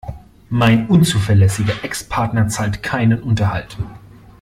Mein unzuverlässiger Ex-Partner zahlt keinen Unterhalt.